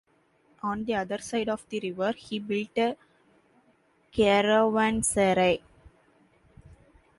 On the other side of the river, he built a caravanserai.